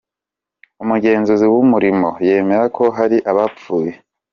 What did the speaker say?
Umugenzuzi w’Umurimo yemera ko hari abapfuye.